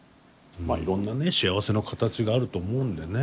いろんなね幸せの形があると思うんでね。